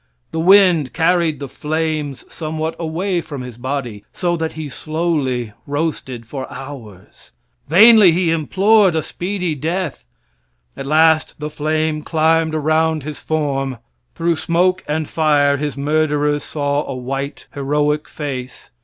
The wind carried the flames somewhat away from his body, so that he slowly roasted for hours. Vainly he implored a speedy death. At last the flame climbed around his form; through smoke and fire his murderers saw a white, heroic face.